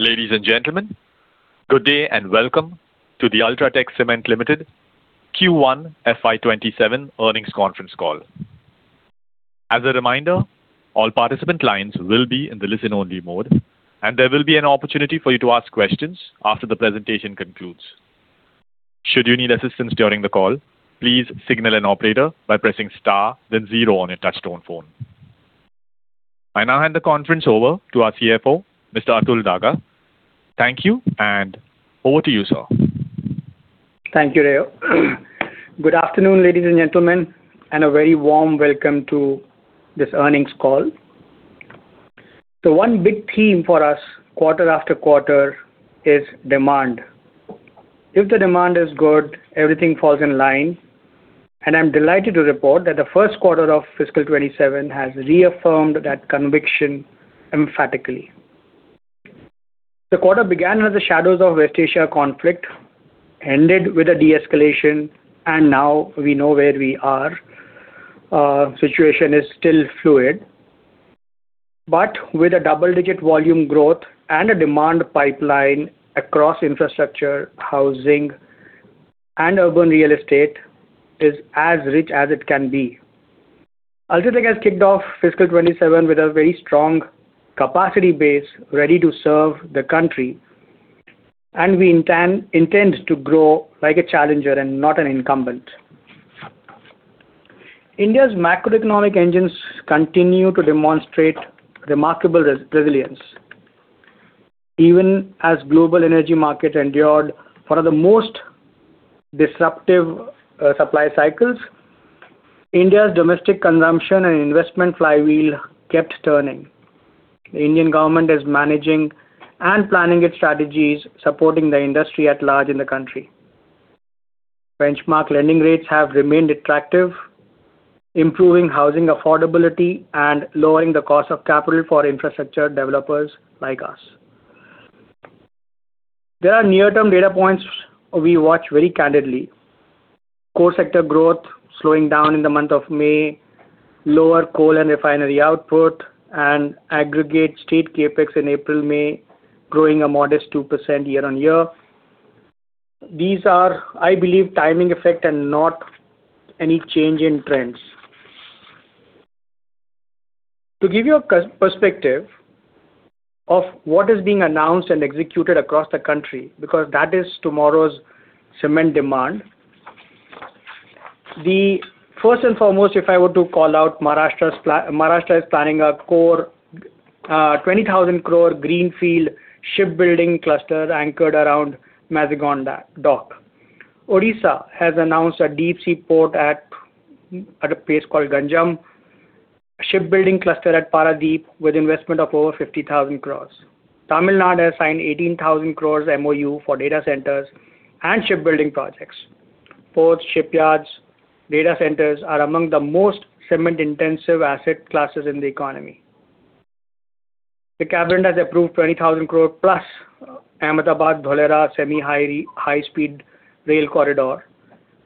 Ladies and gentlemen, good day and welcome to the UltraTech Cement Limited Q1 FY 2027 Earnings Conference Call. As a reminder, all participant lines will be in the listen-only mode, and there will be an opportunity for you to ask questions after the presentation concludes. Should you need assistance during the call, please signal an operator by pressing star then zero on your touch-tone phone. I now hand the conference over to our CFO, Mr. Atul Daga. Thank you, and over to you, sir. Thank you, Ray. Good afternoon, ladies and gentlemen, and a very warm welcome to this earnings call. One big theme for us quarter after quarter is demand. If the demand is good, everything falls in line, and I am delighted to report that the first quarter of fiscal 2027 has reaffirmed that conviction emphatically. The quarter began with the shadows of West Asia conflict, ended with a de-escalation, and now we know where we are. Situation is still fluid, but with a double-digit volume growth and a demand pipeline across infrastructure, housing, and urban real estate is as rich as it can be. UltraTech has kicked off fiscal 2027 with a very strong capacity base ready to serve the country, and we intend to grow like a challenger and not an incumbent. India's macroeconomic engines continue to demonstrate remarkable resilience. Even as global energy market endured one of the most disruptive supply cycles, India's domestic consumption and investment flywheel kept turning. The Indian government is managing and planning its strategies, supporting the industry at large in the country. Benchmark lending rates have remained attractive, improving housing affordability and lowering the cost of capital for infrastructure developers like us. There are near-term data points we watch very candidly. Core sector growth slowing down in the month of May, lower coal and refinery output, and aggregate state CapEx in April/May, growing a modest 2% year-on-year. These are, I believe, timing effect and not any change in trends. To give you a perspective of what is being announced and executed across the country, because that is tomorrow's cement demand. First and foremost, if I were to call out, Maharashtra is planning an 20,000 crore greenfield shipbuilding cluster anchored around Mazagon Dock. Odisha has announced a deep sea port at a place called Ganjam, a shipbuilding cluster at Paradip with investment of over 50,000 crore. Tamil Nadu has signed 18,000 crore MOU for data centers and shipbuilding projects. Ports, shipyards, data centers are among the most cement-intensive asset classes in the economy. The cabinet has approved 20,000 crore plus Ahmedabad-Dholera semi-high-speed rail corridor.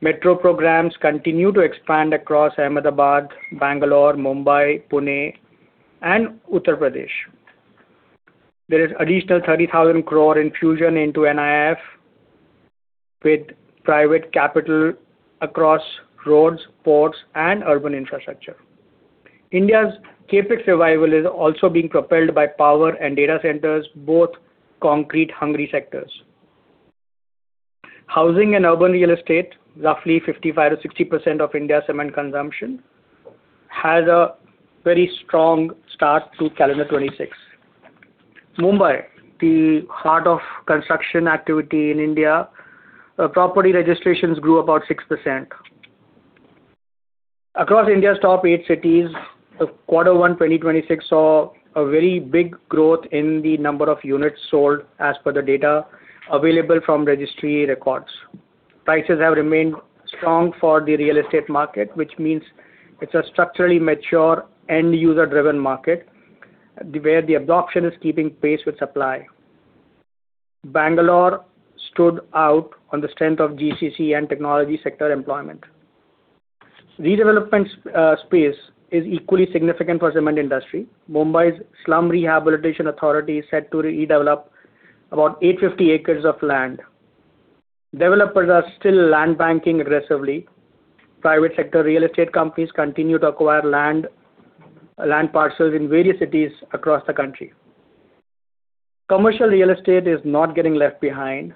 Metro programs continue to expand across Ahmedabad, Bangalore, Mumbai, Pune, and Uttar Pradesh. There is additional 30,000 crore infusion into NIIF with private capital across roads, ports, and urban infrastructure. India's CapEx revival is also being propelled by power and data centers, both concrete-hungry sectors. Housing and urban real estate, roughly 55%-60% of India's cement consumption, has a very strong start to calendar 2026. Mumbai, the heart of construction activity in India, property registrations grew about 6%. Across India's top eight cities, quarter one 2026 saw a very big growth in the number of units sold as per the data available from registry records. Prices have remained strong for the real estate market, which means it's a structurally mature end user-driven market where the adoption is keeping pace with supply. Bangalore stood out on the strength of GCC and technology sector employment. Redevelopment space is equally significant for cement industry. Mumbai's Slum Rehabilitation Authority is set to redevelop about 850 acres of land. Developers are still land banking aggressively. Private sector real estate companies continue to acquire land parcels in various cities across the country. Commercial real estate is not getting left behind.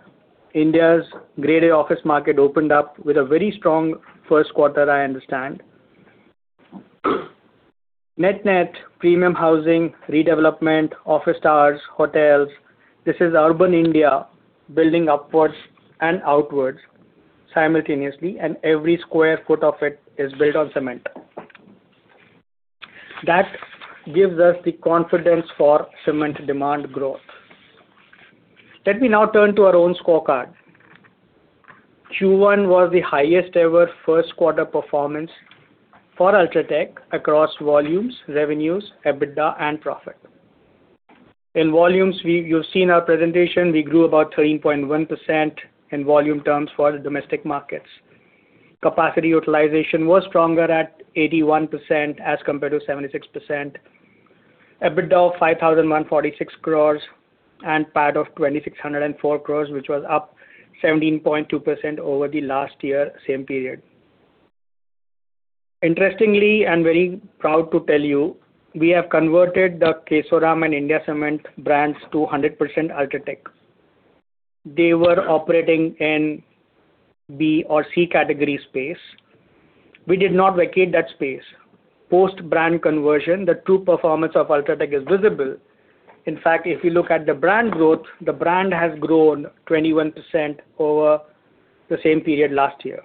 India's graded office market opened up with a very strong first quarter, I understand. Net-net premium housing, redevelopment, office towers, hotels. This is urban India building upwards and outwards simultaneously. Every square foot of it is built on cement. That gives us the confidence for cement demand growth. Let me now turn to our own scorecard. Q1 was the highest ever first quarter performance for UltraTech across volumes, revenues, EBITDA, and profit. In volumes, you've seen our presentation. We grew about 13.1% in volume terms for domestic markets. Capacity utilization was stronger at 81% as compared to 76%. EBITDA of 5,146 crore and PAT of 2,604 crore, which was up 17.2% over the last year, same period. Interestingly, very proud to tell you, we have converted the Kesoram and India Cement brands to 100% UltraTech. They were operating in B or C category space. We did not vacate that space. Post-brand conversion, the true performance of UltraTech is visible. In fact, if you look at the brand growth, the brand has grown 21% over the same period last year.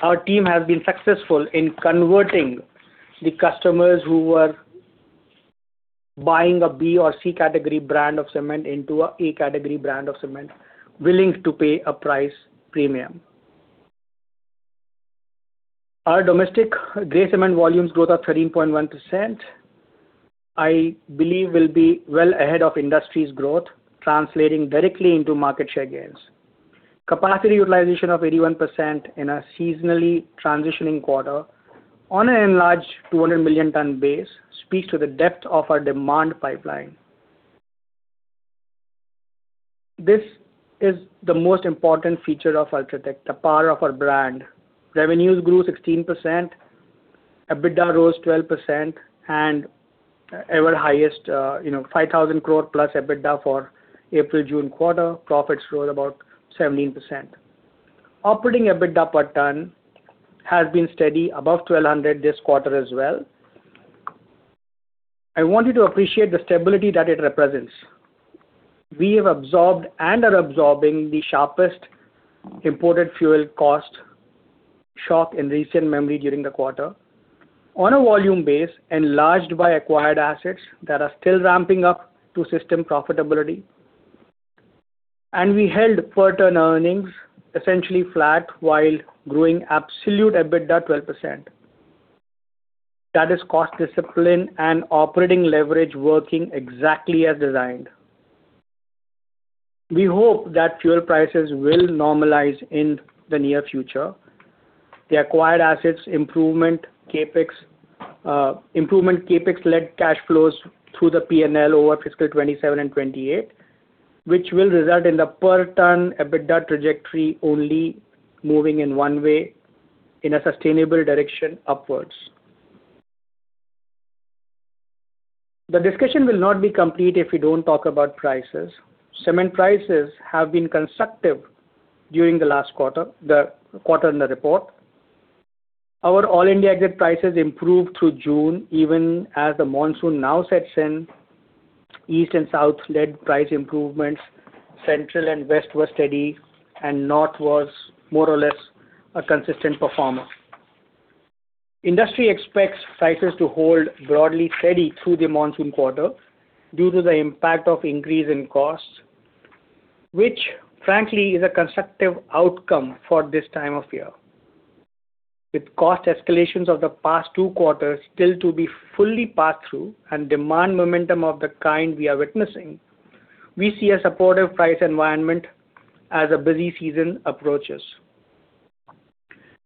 Our team has been successful in converting the customers who were buying a B or C category brand of cement into an A category brand of cement, willing to pay a price premium. Our domestic gray cement volumes growth of 13.1%, I believe will be well ahead of industry's growth, translating directly into market share gains. Capacity utilization of 81% in a seasonally transitioning quarter on an enlarged 200 million tons base speaks to the depth of our demand pipeline. This is the most important feature of UltraTech, the power of our brand. Revenues grew 16%, EBITDA rose 12%. Our highest 5,000 crore plus EBITDA for April-June quarter. Profits grew about 17%. Operating EBITDA per ton has been steady above 1,200 this quarter as well. I want you to appreciate the stability that it represents. We have absorbed and are absorbing the sharpest imported fuel cost shock in recent memory during the quarter. On a volume base enlarged by acquired assets that are still ramping up to system profitability. We held per ton earnings essentially flat while growing absolute EBITDA 12%. That is cost discipline and operating leverage working exactly as designed. We hope that fuel prices will normalize in the near future. The acquired assets improvement CapEx led cash flows through the P&L over fiscal 2027 and 2028, which will result in the per ton EBITDA trajectory only moving in one way, in a sustainable direction upwards. The discussion will not be complete if we don't talk about prices. Cement prices have been constructive during the last quarter, the quarter in the report. Our All India exit prices improved through June, even as the monsoon now sets in. East and South led price improvements, Central and West were steady, and North was more or less a consistent performer. Industry expects prices to hold broadly steady through the monsoon quarter due to the impact of increase in costs, which frankly is a constructive outcome for this time of year. With cost escalations of the past two quarters still to be fully passed through and demand momentum of the kind we are witnessing, we see a supportive price environment as a busy season approaches.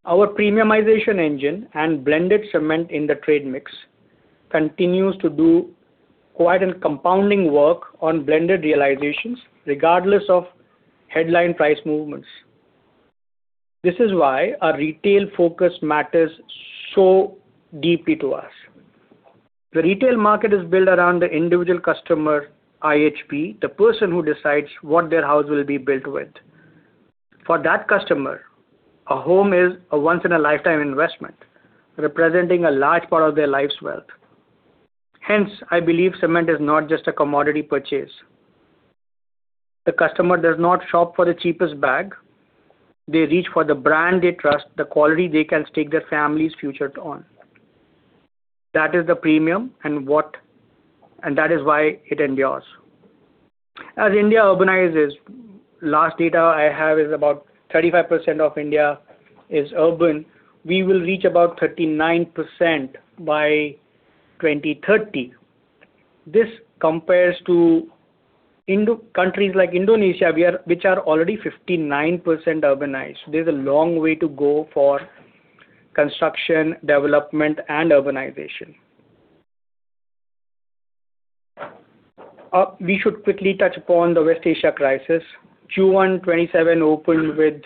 Our premiumization engine and blended cement in the trade mix continues to do quite a compounding work on blended realizations regardless of headline price movements. This is why our retail focus matters so deeply to us. The retail market is built around the individual customer, IHP, the person who decides what their house will be built with. For that customer, a home is a once in a lifetime investment, representing a large part of their life's wealth. Hence, I believe cement is not just a commodity purchase. The customer does not shop for the cheapest bag. They reach for the brand they trust, the quality they can stake their family's future on. That is the premium and that is why it endures. As India urbanizes, last data I have is about 35% of India is urban. We will reach about 39% by 2030. This compares to countries like Indonesia, which are already 59% urbanized. There's a long way to go for construction, development, and urbanization. We should quickly touch upon the West Asia crisis. Q1 2027 opened with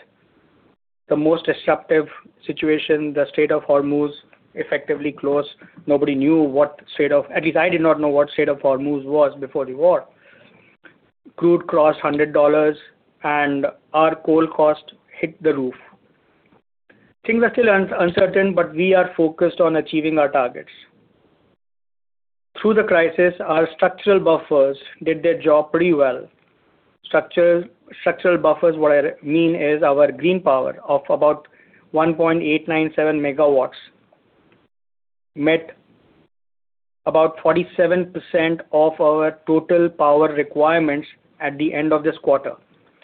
the most disruptive situation. The Strait of Hormuz effectively closed. Nobody knew what Strait of Hormuz was before the war. Crude crossed $100 and our coal cost hit the roof. Things are still uncertain. We are focused on achieving our targets. Through the crisis, our structural buffers did their job pretty well. Structural buffers, what I mean is our green power of about 1.897 MW met about 47% of our total power requirements at the end of this quarter.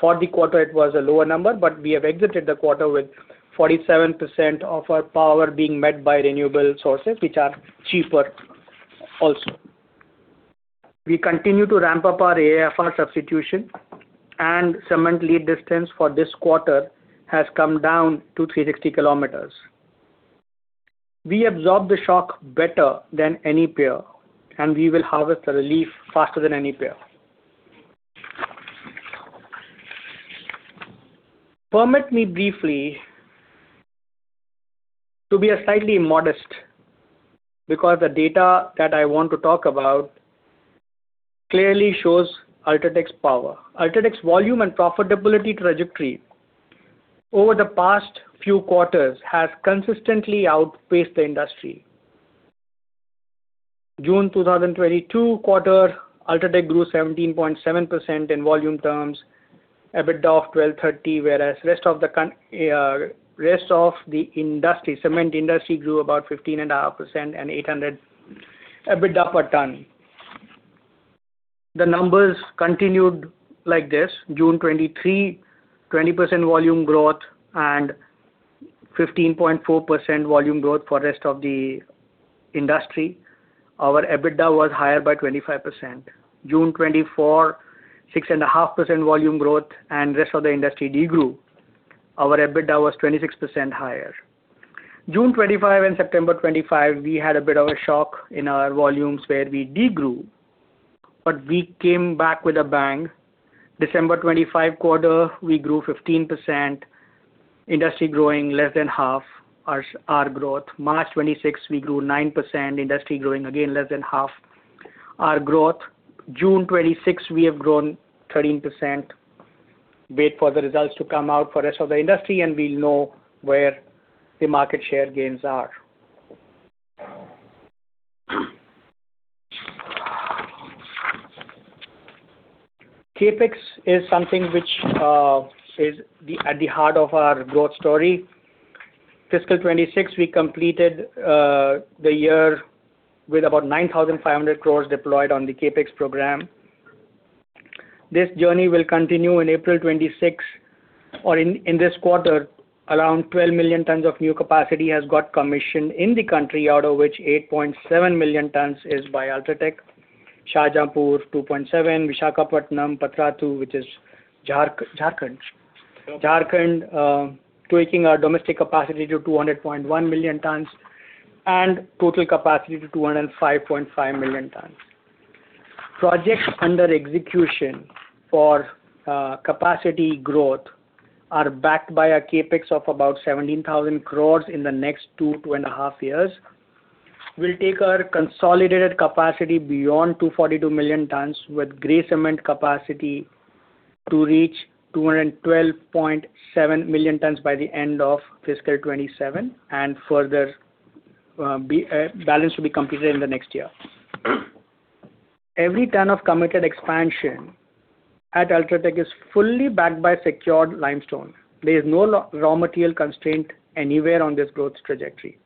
For the quarter, it was a lower number, but we have exited the quarter with 47% of our power being met by renewable sources, which are cheaper also. We continue to ramp up our AFR substitution and cement lead distance for this quarter has come down to 360 km. We absorb the shock better than any player. We will harvest the relief faster than any player. Permit me briefly to be slightly modest because the data that I want to talk about clearly shows UltraTech's power. UltraTech's volume and profitability trajectory over the past few quarters has consistently outpaced the industry. June 2022 quarter, UltraTech grew 17.7% in volume terms, EBITDA of 1,230, whereas rest of the cement industry grew about 15.5% and 800 EBITDA per ton. The numbers continued like this. June 2023, 20% volume growth and 15.4% volume growth for rest of the industry. Our EBITDA was higher by 25%. June 2024, 6.5% volume growth and rest of the industry de-grew. Our EBITDA was 26% higher. June 2025 and September 2025, we had a bit of a shock in our volumes where we de-grew. We came back with a bang. December 2025 quarter, we grew 15%, industry growing less than half our growth. March 2026, we grew 9%, industry growing again less than half our growth. June 2026, we have grown 13%. Wait for the results to come out for rest of the industry, and we'll know where the market share gains are. CapEx is something which is at the heart of our growth story. Fiscal 2026, we completed the year with about 9,500 crore deployed on the CapEx program. This journey will continue in April 2026 or in this quarter, around 12 million tons of new capacity has got commissioned in the country, out of which 8.7 million tons is by UltraTech. Shahjahanpur 2.7, Visakhapatnam, Patratu 2, which is Jharkhand. Jharkhand, taking our domestic capacity to 200.1 million tons and total capacity to 205.5 million tons. Projects under execution for capacity growth are backed by a CapEx of about 17,000 crore in the next two, two and a half years, will take our consolidated capacity beyond 242 million tons with gray cement capacity to reach 212.7 million tons by the end of fiscal 2027, and further balance will be completed in the next year. Every ton of committed expansion at UltraTech is fully backed by secured limestone. There is no raw material constraint anywhere on this growth trajectory.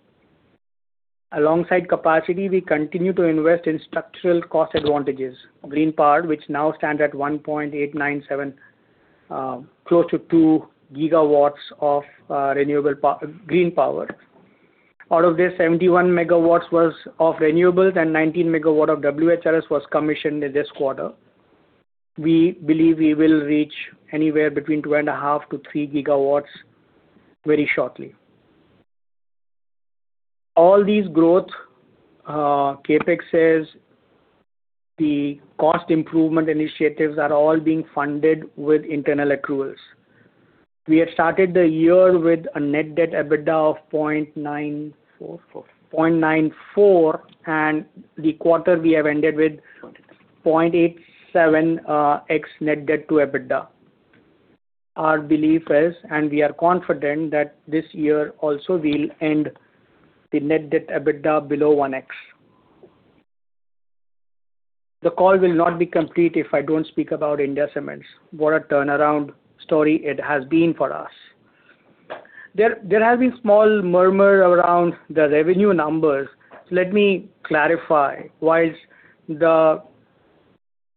Alongside capacity, we continue to invest in structural cost advantages. Green power, which now stands at 1.897, close to 2 GW of green power. Out of this, 71 MW was of renewables and 19 MW of WHRS was commissioned in this quarter. We believe we will reach anywhere between 2.5 to 3 GW very shortly. All these growth, CapExes, the cost improvement initiatives are all being funded with internal accruals. We had started the year with a net debt EBITDA of 0.94x, and the quarter we have ended with 0.87x net debt to EBITDA. Our belief is, and we are confident that this year also we'll end the net debt EBITDA below 1x. The call will not be complete if I don't speak about India Cements. What a turnaround story it has been for us. There has been small murmur around the revenue numbers. Let me clarify. Whilst the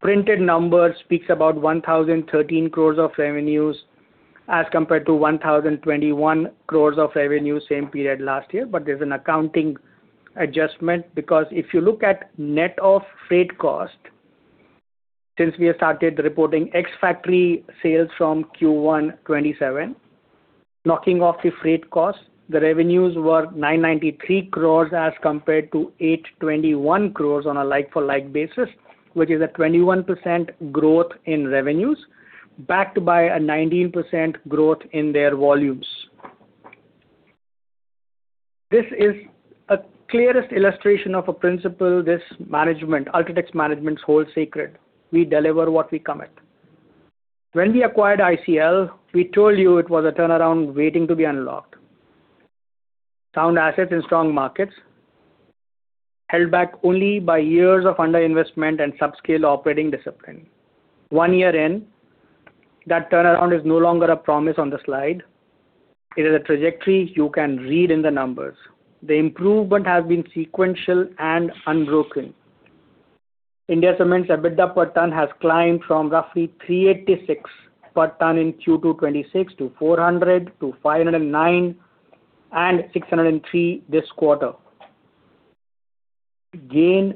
printed number speaks about 1,013 crore of revenues as compared to 1,021 crore of revenue same period last year. But there's an accounting adjustment because if you look at net of freight cost, since we have started reporting ex-factory sales from Q1 2027, knocking off the freight cost, the revenues were 993 crore as compared to 821 crore on a like-for-like basis, which is a 21% growth in revenues, backed by a 19% growth in their volumes. This is the clearest illustration of a principle this management, UltraTech's management holds sacred. We deliver what we commit. When we acquired ICL, we told you it was a turnaround waiting to be unlocked. Sound assets in strong markets, held back only by years of underinvestment and subscale operating discipline. One year in, that turnaround is no longer a promise on the slide. It is a trajectory you can read in the numbers. The improvement has been sequential and unbroken. India Cements EBITDA per ton has climbed from roughly 386 per ton in Q2 2026 to 400, 509, and 603 this quarter. Gain,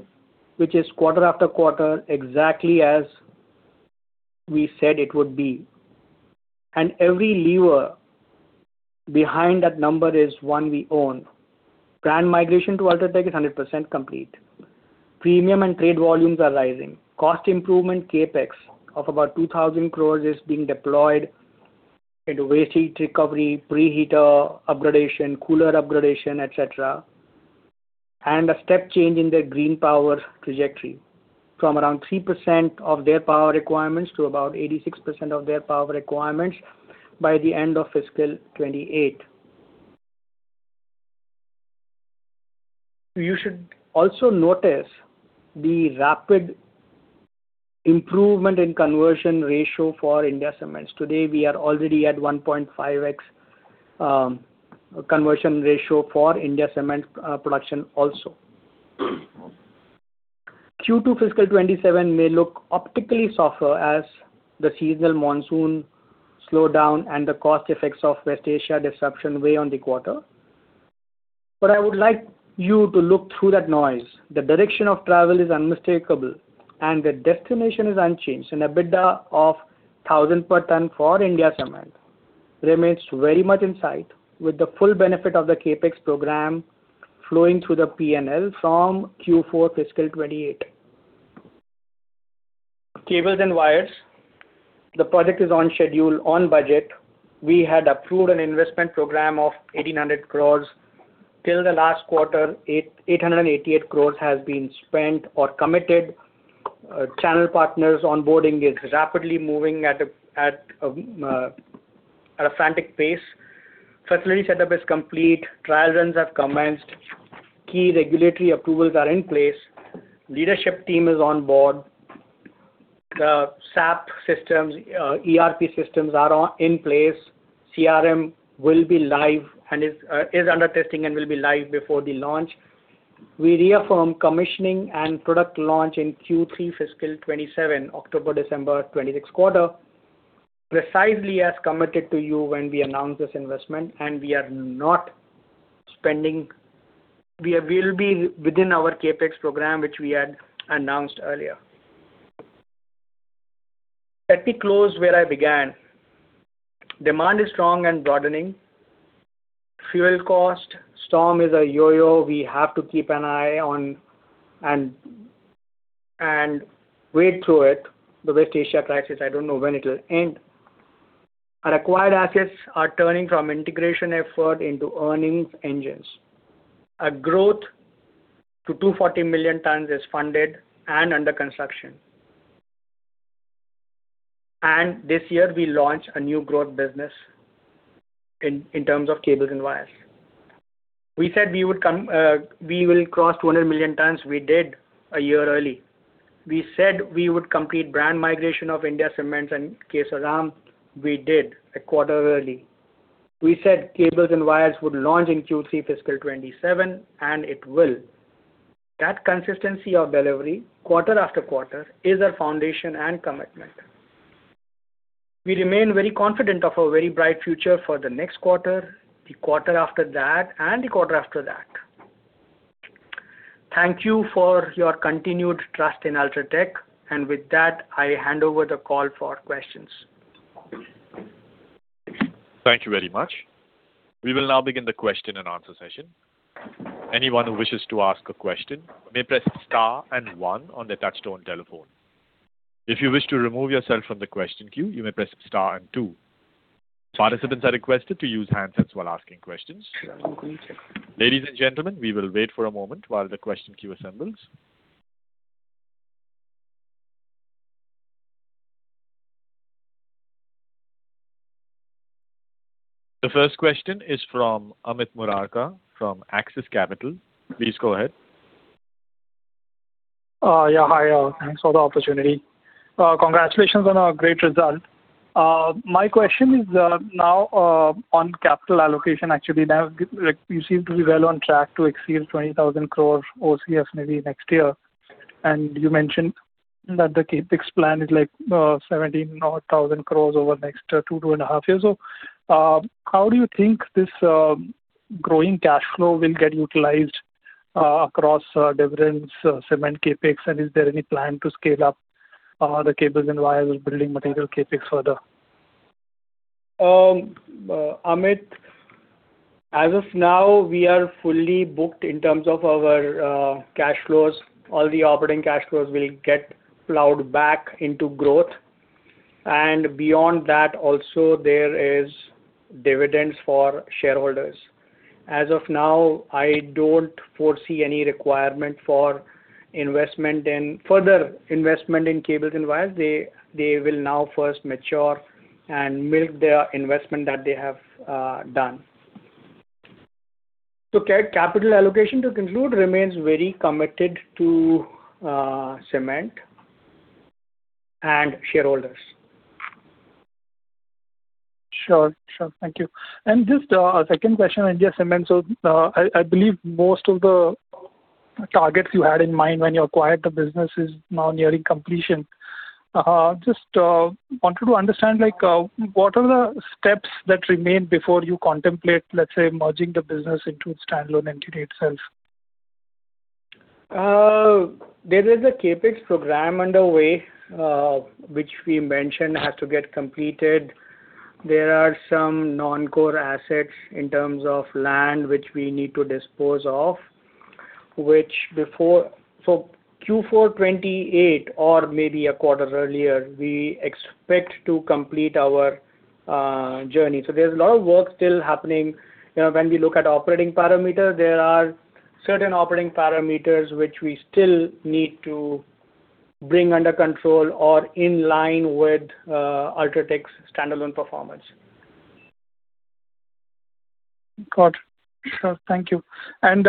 which is quarter-after-quarter, exactly as we said it would be. Every lever behind that number is one we own. Brand migration to UltraTech is 100% complete. Premium and trade volumes are rising. Cost improvement CapEx of about 2,000 crore is being deployed into waste heat recovery, preheater upgradation, cooler upgradation, et cetera, and a step change in their green power trajectory from around 3% of their power requirements to about 86% of their power requirements by the end of fiscal 2028. You should also notice the rapid improvement in conversion ratio for India Cements. Today, we are already at 1.5x conversion ratio for India Cements production also. Q2 fiscal 2027 may look optically softer as the seasonal monsoon slowdown and the cost effects of West Asia disruption weigh on the quarter. I would like you to look through that noise. The direction of travel is unmistakable, and the destination is unchanged. An EBITDA of 1,000 per ton for India Cement remains very much in sight, with the full benefit of the CapEx program flowing through the P&L from Q4 fiscal 2028. Cables and Wires, the project is on schedule, on budget. We had approved an investment program of 1,800 crore. Till the last quarter, 888 crore has been spent or committed. Channel partners onboarding is rapidly moving at a frantic pace. Facility set up is complete. Trial runs have commenced. Key regulatory approvals are in place. Leadership team is on board. The SAP systems, ERP systems are in place. CRM will be live and is under testing and will be live before the launch. We reaffirm commissioning and product launch in Q3 fiscal 2027, October-December 2026 quarter, precisely as committed to you when we announced this investment. We will be within our CapEx program, which we had announced earlier. Let me close where I began. Demand is strong and broadening. Fuel cost storm is a yo-yo we have to keep an eye on and wade through it. The West Asia crisis, I don't know when it will end. Our acquired assets are turning from integration effort into earnings engines. A growth to 240 million tons is funded and under construction. This year, we launch a new growth business in terms of Cables and Wires. We said we will cross 200 million tons. We did a year early. We said we would complete brand migration of India Cement and Kesoram. We did a quarter early. We said Cables and Wires would launch in Q3 fiscal 2027, and it will. That consistency of delivery quarter-after-quarter is our foundation and commitment. We remain very confident of a very bright future for the next quarter, the quarter after that, and the quarter after that. Thank you for your continued trust in UltraTech. With that, I hand over the call for questions. Thank you very much. We will now begin the question and answer session. Anyone who wishes to ask a question may press star and one on their touch-tone telephone. If you wish to remove yourself from the question queue, you may press star and two. Participants are requested to use handsets while asking questions. Okay. Ladies and gentlemen, we will wait for a moment while the question queue assembles. The first question is from Amit Murarka from Axis Capital. Please go ahead. Hi. Thanks for the opportunity. Congratulations on a great result. My question is now on capital allocation, actually. You seem to be well on track to exceed 20,000 crore OCF maybe next year. You mentioned that the CapEx plan is like 17,000 crore over the next two and a half years. How do you think this growing cash flow will get utilized across dividends, cement CapEx, and is there any plan to scale up the Cables and Wires building material CapEx further? Amit, as of now, we are fully booked in terms of our cash flows. All the operating cash flows will get plowed back into growth. Beyond that also, there is dividends for shareholders. As of now, I don't foresee any requirement for further investment in Cables and Wires. They will now first mature and milk their investment that they have done. Capital allocation, to conclude, remains very committed to cement and shareholders. Sure. Thank you. Just a second question on India Cements. I believe most of the targets you had in mind when you acquired the business is now nearing completion. Just wanted to understand what are the steps that remain before you contemplate, let's say, merging the business into standalone entity itself? There is a CapEx program underway, which we mentioned has to get completed. There are some non-core assets in terms of land, which we need to dispose of. Q4 2028 or maybe a quarter earlier, we expect to complete our journey. There's a lot of work still happening. When we look at operating parameter, there are certain operating parameters which we still need to bring under control or in line with UltraTech's standalone performance. Got it. Sure. Thank you. Is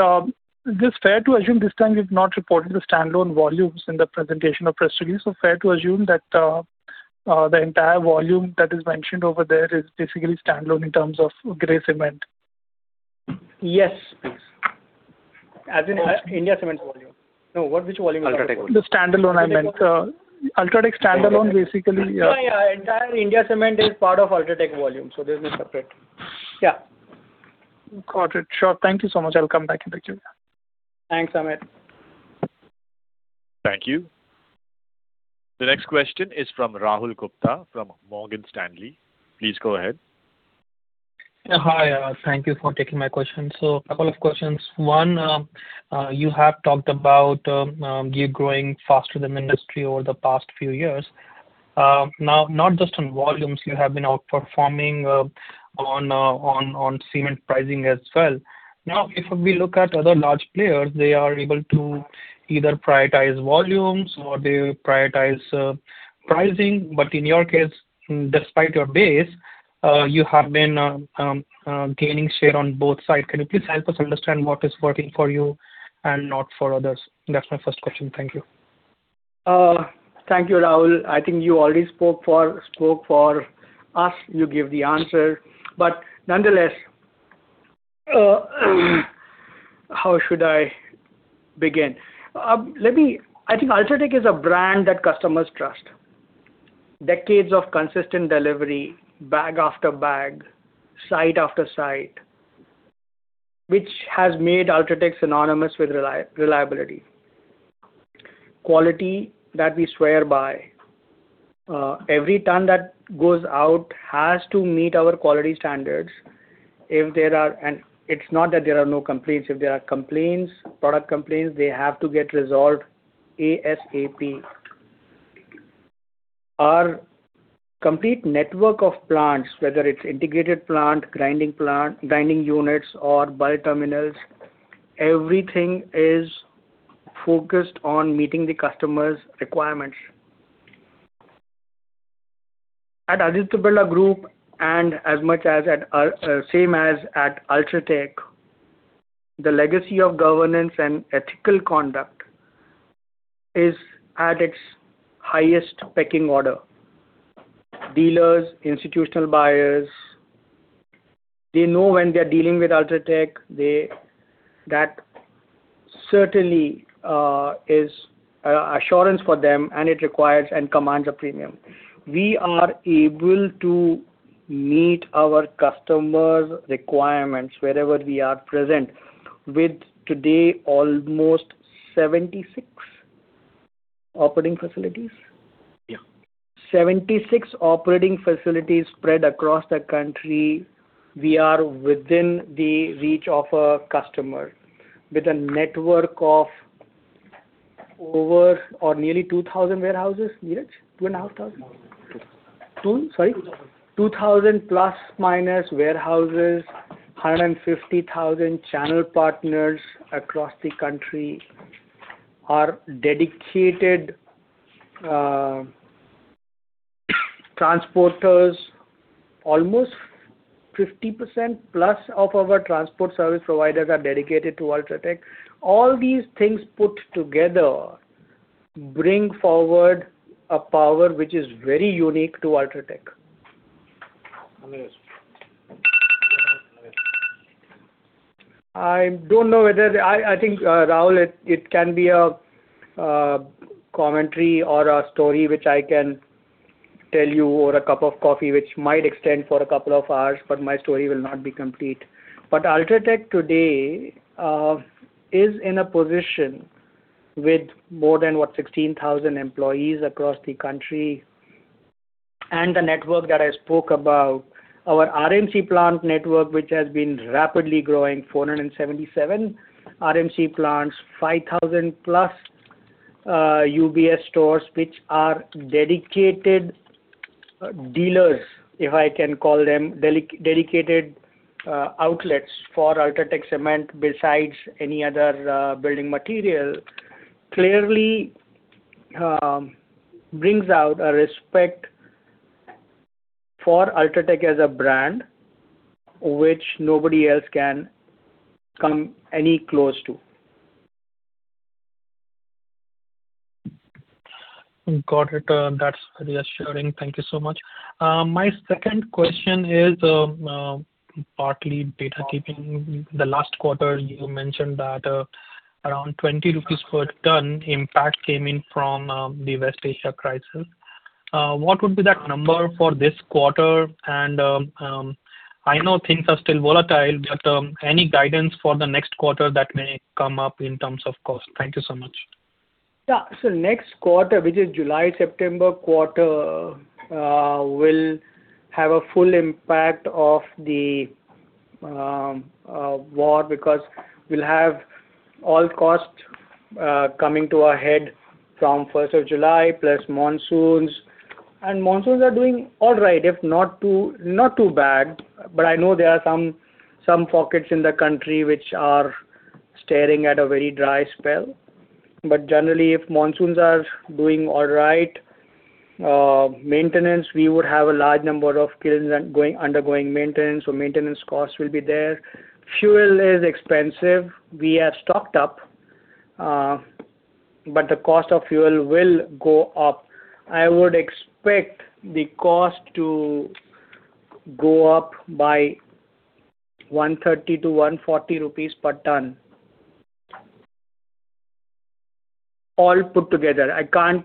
this fair to assume this time you've not reported the standalone volumes in the presentation of press release, fair to assume that the entire volume that is mentioned over there is basically standalone in terms of gray cement? Yes, please. As in India Cement volume. No, which volume you're talking about? The standalone, I meant. UltraTech standalone, basically, yeah. Yeah. Entire India Cement is part of UltraTech volume, there's no separate. Yeah. Got it. Sure. Thank you so much. I'll come back to the queue. Thanks, Amit. Thank you. The next question is from Rahul Gupta from Morgan Stanley. Please go ahead. A couple of questions. One, you have talked about you growing faster than industry over the past few years. Not just on volumes you have been outperforming on cement pricing as well. If we look at other large players, they are able to either prioritize volumes or they prioritize pricing. In your case, despite your base, you have been gaining share on both sides. Can you please help us understand what is working for you and not for others? That's my first question. Thank you. Thank you, Rahul. I think you already spoke for us. You gave the answer. Nonetheless, how should I begin? I think UltraTech is a brand that customers trust. Decades of consistent delivery, bag after bag, site after site, which has made UltraTech synonymous with reliability. Quality that we swear by. Every ton that goes out has to meet our quality standards. It's not that there are no complaints. If there are complaints, product complaints, they have to get resolved ASAP. Our complete network of plants, whether it's integrated plant, grinding units, or by terminals, everything is focused on meeting the customer's requirements. At Aditya Birla Group and same as at UltraTech, the legacy of governance and ethical conduct is at its highest pecking order. Dealers, institutional buyers, they know when they're dealing with UltraTech, that certainly is assurance for them and it requires and commands a premium. We are able to meet our customers' requirements wherever we are present with today almost 76 operating facilities? Yeah. 76 operating facilities spread across the country. We are within the reach of a customer with a network of over or nearly 2,000 warehouses. Neeraj, 2,500? 2,000. Sorry. 2,000 plus, minus warehouses, 150,000 channel partners across the country. Our dedicated transporters, almost 50% plus of our transport service providers are dedicated to UltraTech. All these things put together bring forward a power which is very unique to UltraTech. I think, Rahul, it can be a commentary or a story which I can tell you over a cup of coffee, which might extend for a couple of hours, but my story will not be complete. UltraTech today is in a position with more than 16,000 employees across the country and the network that I spoke about. Our RMC plant network, which has been rapidly growing, 477 RMC plants, 5,000 plus UBS stores, which are dedicated dealers, if I can call them, dedicated outlets for UltraTech Cement besides any other building material, clearly brings out a respect for UltraTech as a brand, which nobody else can come any close to. Got it. That's reassuring. Thank you so much. My second question is partly data keeping. The last quarter, you mentioned that around 20 rupees per ton impact came in from the West Asia crisis. What would be that number for this quarter? I know things are still volatile, but any guidance for the next quarter that may come up in terms of cost. Thank you so much. Next quarter, which is July-September quarter, will have a full impact of the war because we'll have all costs coming to a head from 1st of July, plus monsoons. Monsoons are doing all right, not too bad, but I know there are some pockets in the country which are staring at a very dry spell. Generally, if monsoons are doing all right, maintenance, we would have a large number of kilns undergoing maintenance, so maintenance costs will be there. Fuel is expensive. We are stocked up, but the cost of fuel will go up. I would expect the cost to go up by 130-140 rupees per ton. All put together. I can't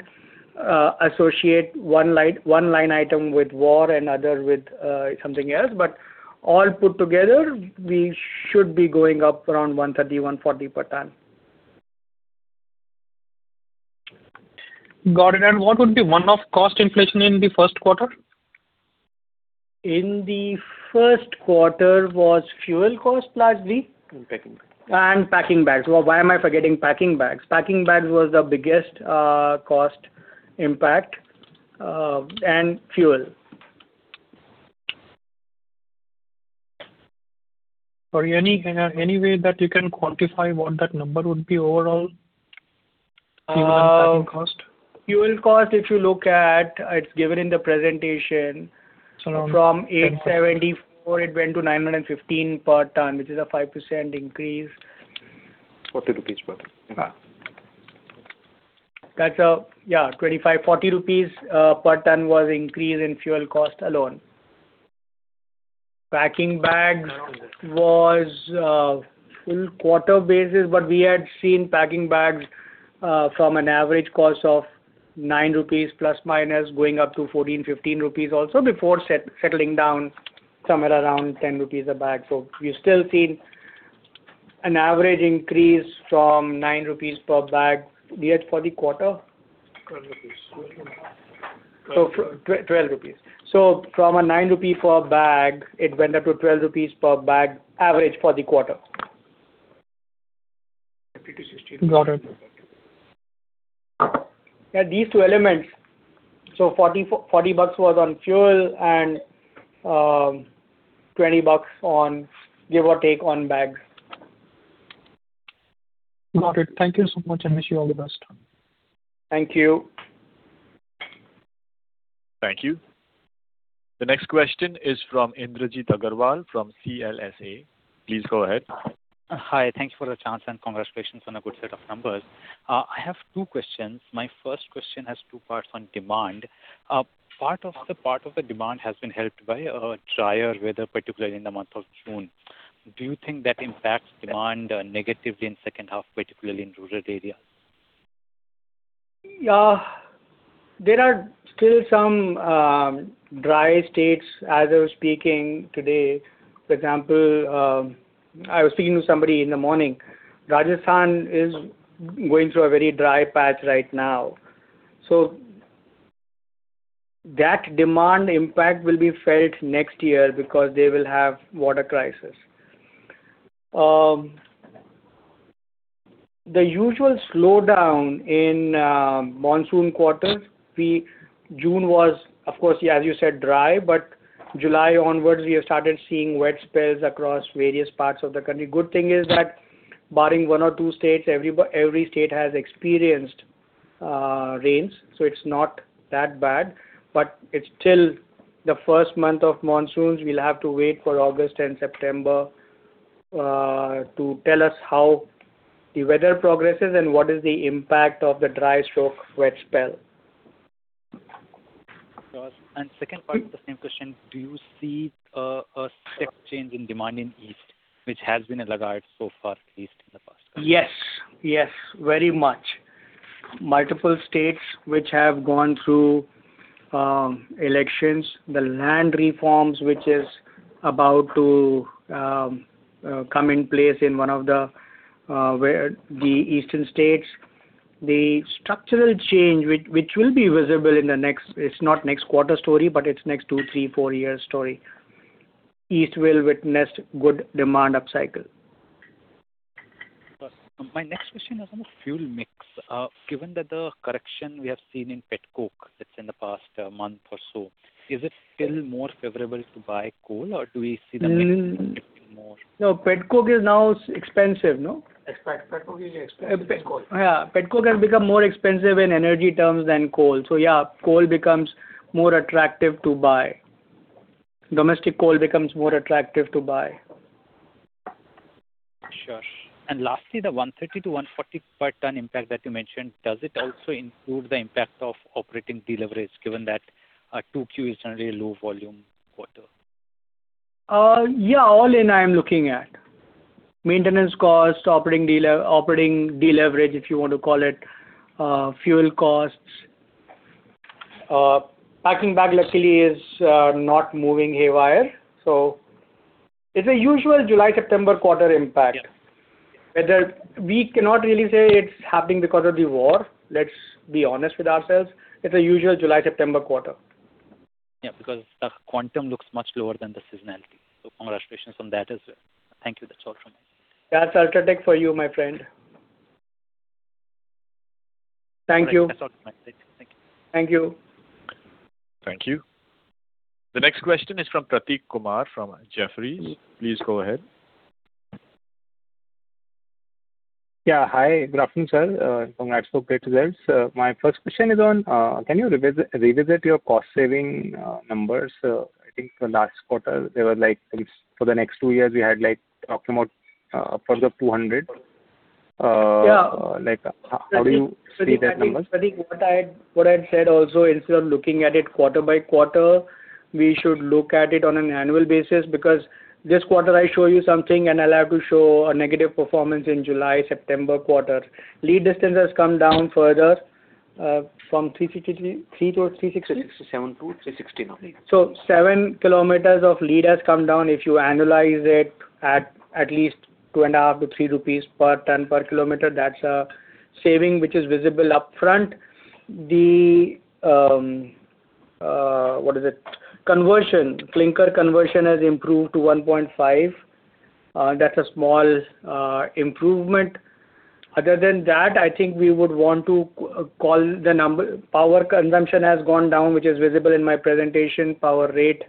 associate one line item with war and other with something else, but all put together, we should be going up around 130-140 per ton. Got it. What would be one-off cost inflation in the first quarter? In the first quarter was fuel cost plus. Packing bags. Packing bags. Why am I forgetting packing bags? Packing bags was the biggest cost impact, and fuel. Sorry, any way that you can quantify what that number would be overall? Fuel cost, if you look at, it is given in the presentation. From 874 it went to 915 per ton, which is a 5% increase. 40 rupees per ton. Yeah. 25, 40 rupees per ton was increase in fuel cost alone. Packing bags was full quarter basis, we had seen packing bags from an average cost of 9 rupees plus minus going up to 14 rupees, 15 rupees also before settling down somewhere around 10 rupees a bag. We still seen an average increase from 9 rupees per bag. We had for the quarter. 12 rupees. 12 rupees. From an 9 rupee for a bag, it went up to 12 rupees per bag average for the quarter. Got it. Yeah, these two elements. INR 40 was on fuel and INR 20 on give or take on bags. Got it. Thank you so much. Wish you all the best. Thank you. Thank you. The next question is from Indrajit Agarwal from CLSA. Please go ahead. Hi. Thanks for the chance and congratulations on a good set of numbers. I have two questions. My first question has two parts on demand. Part of the demand has been helped by drier weather, particularly in the month of June. Do you think that impacts demand negatively in second half, particularly in rural areas? Yeah. There are still some dry states as I was speaking today. For example, I was speaking to somebody in the morning. Rajasthan is going through a very dry patch right now. That demand impact will be felt next year because they will have water crisis. The usual slowdown in monsoon quarters. June was, of course, as you said, dry, July onwards we have started seeing wet spells across various parts of the country. Good thing is that barring one or two states, every state has experienced rains, so it's not that bad. It's still the first month of monsoons. We'll have to wait for August and September to tell us how the weather progresses and what is the impact of the dry stroke wet spell. Second part of the same question, do you see a step change in demand in East, which has been a laggard so far, at least in the past? Yes. Very much. Multiple states which have gone through elections, the land reforms which is about to come in place in one of the eastern states. The structural change which will be visible in the next, it's not next quarter story, but it's next two, three, four years' story. East will witness good demand up cycle. My next question is on the fuel mix. Given that the correction we have seen in pet coke that's in the past month or so, is it still more favorable to buy coal or do we see the mix shifting more? No, pet coke is now expensive, no? Pet coke is expensive. Yeah. Pet coke has become more expensive in energy terms than coal. Coal becomes more attractive to buy. Domestic coal becomes more attractive to buy. Lastly, the 130-140 per ton impact that you mentioned, does it also include the impact of operating deleverage, given that 2Q is generally a low volume quarter? Yeah, all in I am looking at. Maintenance cost, operating deleverage, if you want to call it, fuel costs. Packing bag luckily is not moving haywire. It's a usual July, September quarter impact. Yeah. Whether we cannot really say it's happening because of the war, let's be honest with ourselves. It's a usual July, September quarter. Yeah, because the quantum looks much lower than the seasonality. Congratulations on that as well. Thank you. That's all from my end. That's UltraTech for you, my friend. Thank you. That's all from my side. Thank you. Thank you. Thank you. The next question is from Prateek Kumar from Jefferies. Please go ahead. Yeah. Hi, good afternoon, sir. Congrats for great results. My first question is on, can you revisit your cost-saving numbers? I think the last quarter, they were like for the next two years, we had talking about further 200. Yeah. How do you see that number? Prateek, what I had said also, instead of looking at it quarter by quarter, we should look at it on an annual basis because this quarter I show you something and I'll have to show a negative performance in July, September quarter. Lead distance has come down further from three. 367 to 360 now. Seven kilometers of lead has come down. If you annualize it at least 2.5 to 3 rupees per ton per kilometer, that's a saving which is visible upfront. The clinker conversion has improved to 1.5. That's a small improvement. Other than that, I think we would want to call the number. Power consumption has gone down, which is visible in my presentation. Power rate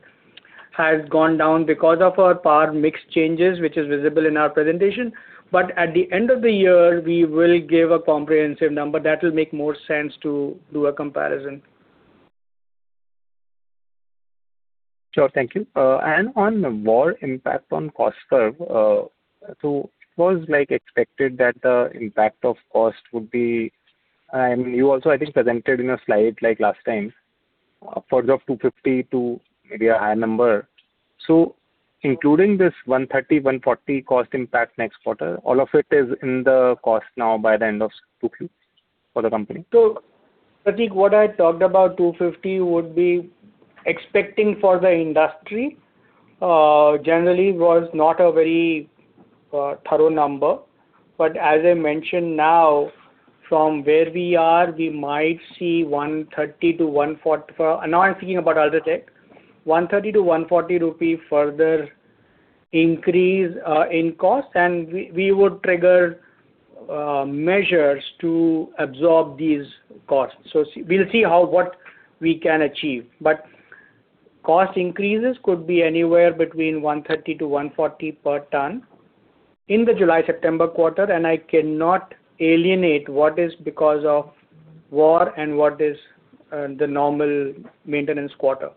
has gone down because of our power mix changes, which is visible in our presentation. At the end of the year, we will give a comprehensive number that will make more sense to do a comparison. Sure. Thank you. On war impact on cost curve, it was expected that the impact of cost would be, and you also, I think, presented in a slide like last time, further of 250 to maybe a higher number. Including this 130, 140 cost impact next quarter, all of it is in the cost now by the end of 2Q for the company? Prateek, what I talked about 250 would be expecting for the industry, generally was not a very thorough number. As I mentioned now, from where we are, we might see 130-140. I'm thinking about UltraTech, 130-140 rupee further increase in cost and we would trigger measures to absorb these costs. We'll see what we can achieve. Cost increases could be anywhere between 130-140 per ton in the July-September quarter, I cannot alienate what is because of war and what is the normal maintenance quarter.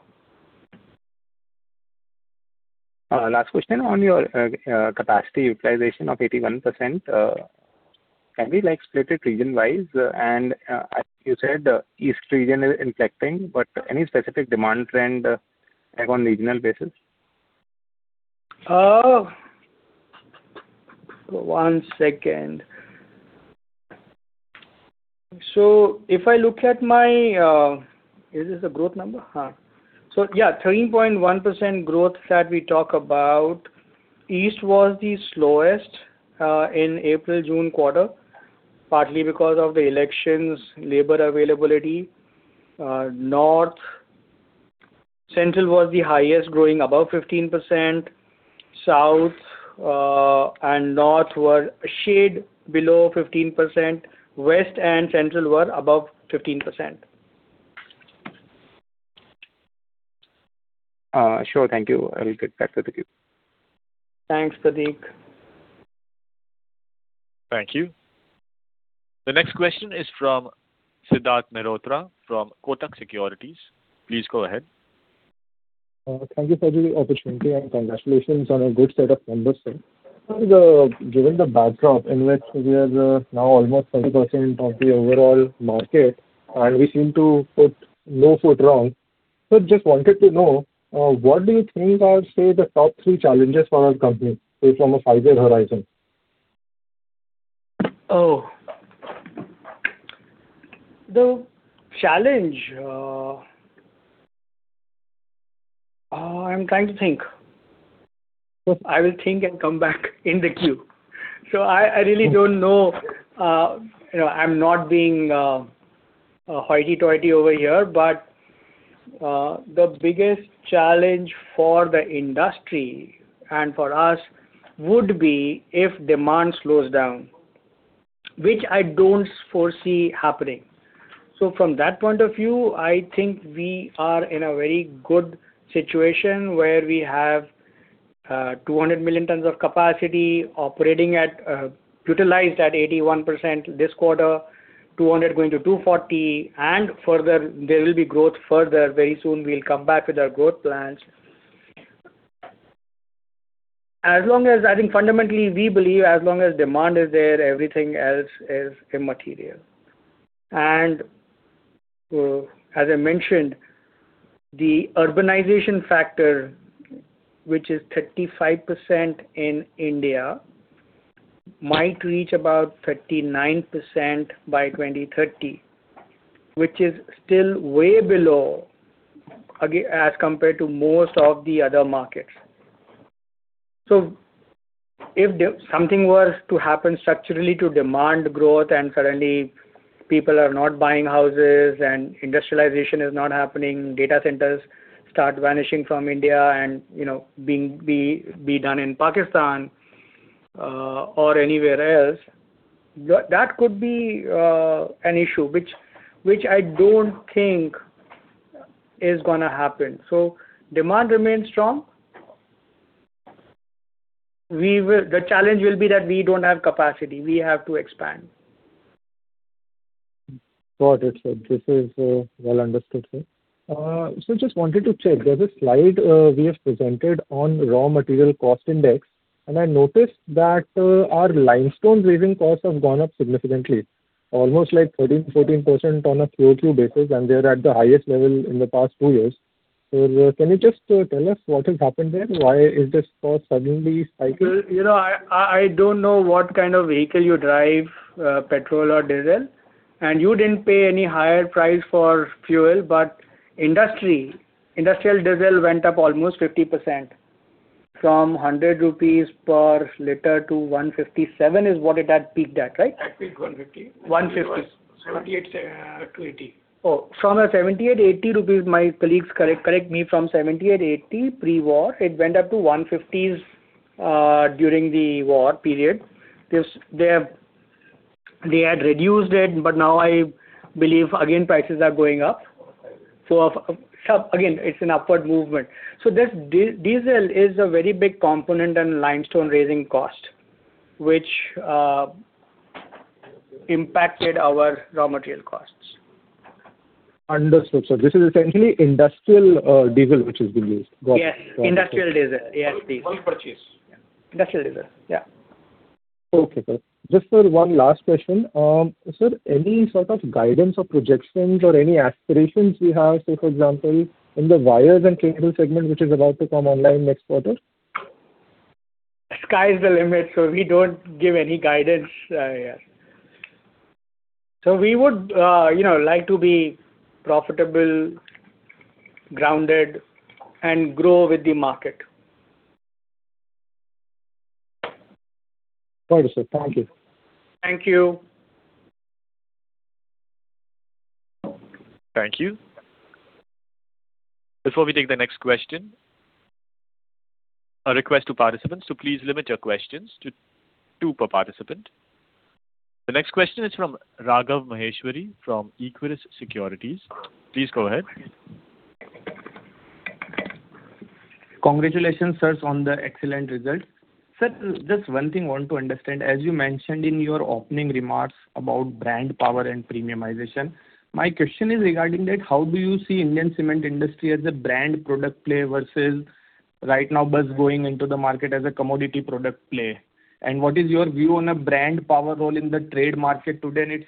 Last question on your capacity utilization of 81%. Can we split it region-wise? As you said, East region is impacting, any specific demand trend on regional basis? One second. If I look at my, is this the growth number? Yeah, 13.1% growth that we talk about. East was the slowest in April-June quarter, partly because of the elections, labor availability. Central was the highest, growing above 15%. South and North were a shade below 15%. West and Central were above 15%. Sure. Thank you. I will get back to the queue. Thanks, Prateek. Thank you. The next question is from Siddharth Mehrotra from Kotak Securities. Please go ahead. Thank you for the opportunity and congratulations on a good set of numbers, sir. Given the backdrop in which we are now almost 30% of the overall market and we seem to put no foot wrong. Just wanted to know, what do you think are, say, the top three challenges for our company, say from a five-year horizon? The challenge. I am trying to think. I will think and come back in the queue. I really don't know. I am not being hoity-toity over here, but the biggest challenge for the industry and for us would be if demand slows down, which I don't foresee happening. From that point of view, I think we are in a very good situation where we have 200 million tons of capacity operating at, utilized at 81% this quarter, 200 going to 240 and further there will be growth further very soon. We will come back with our growth plans. As long as I think fundamentally we believe as long as demand is there, everything else is immaterial. As I mentioned, the urbanization factor, which is 35% in India, might reach about 39% by 2030. Which is still way below as compared to most of the other markets. If something were to happen structurally to demand growth and suddenly people are not buying houses and industrialization is not happening, data centers start vanishing from India and being done in Pakistan or anywhere else, that could be an issue. I don't think is going to happen. Demand remains strong. The challenge will be that we don't have capacity. We have to expand. Got it, sir. This is well understood, sir. Sir, just wanted to check, there's a slide we have presented on raw material cost index, and I noticed that our limestone raising costs have gone up significantly. Almost like 13%-14% on a QoQ basis, and they're at the highest level in the past two years. Sir, can you just tell us what has happened there? Why is this cost suddenly spiking? I don't know what kind of vehicle you drive, petrol or diesel. You didn't pay any higher price for fuel, but industry, industrial diesel went up almost 50%. From 100 rupees per liter to 157 is what it had peaked at, right? It had peaked 150. 78 to 80. From 78 rupees, 80 rupees, my colleagues correct me, from 78, 80 pre-war, it went up to INR 150s during the war period. They had reduced it, but now I believe again prices are going up. Again, it's an upward movement. This diesel is a very big component in limestone raising cost. Impacted our raw material costs. Understood, sir. This is essentially industrial diesel which has been used. Got it. Yes, industrial diesel. Yes, diesel. Oil purchase. Industrial diesel. Yeah. Okay, sir. Just, sir, one last question. Sir, any sort of guidance or projections or any aspirations we have, say, for example, in the Wires and Cable segment which is about to come online next quarter? Sky's the limit, so we don't give any guidance. We would like to be profitable, grounded, and grow with the market. Got it, sir. Thank you. Thank you. Thank you. Before we take the next question, a request to participants to please limit your questions to two per participant. The next question is from Raghav Maheshwari from Equirus Securities. Please go ahead. Congratulations, sirs, on the excellent results. Sir, just one thing want to understand, as you mentioned in your opening remarks about brand power and premiumization. My question is regarding that. How do you see Indian cement industry as a brand product play versus right now just going into the market as a commodity product play? What is your view on a brand power role in the trade market today and its